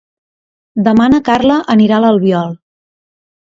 Demà na Carla anirà a l'Albiol.